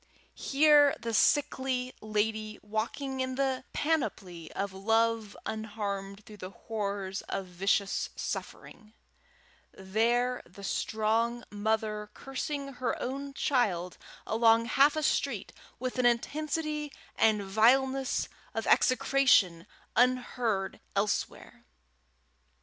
here the sickly lady walking in the panoply of love unharmed through the horrors of vicious suffering; there the strong mother cursing her own child along half a street with an intensity and vileness of execration unheard elsewhere!